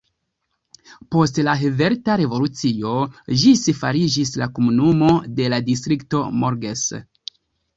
Post la Helveta Revolucio ĝis fariĝis komunumo de la Distrikto Morges.